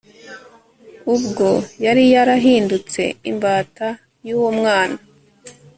ubwo yari yarahindutse imbata yuwo mwana